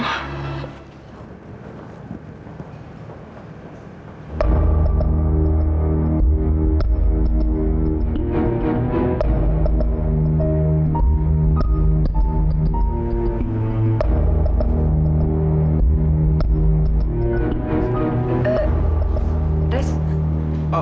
kamu betul mano